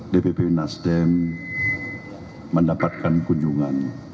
dpp nasdem mendapatkan kunjungan